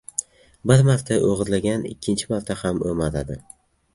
• Bir marta o‘g‘irlagan ikkinchi marta ham o‘maradi.